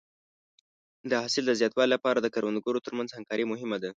د حاصل د زیاتوالي لپاره د کروندګرو تر منځ همکاري مهمه ده.